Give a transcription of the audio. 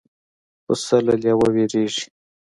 پسه له لېوه وېرېږي.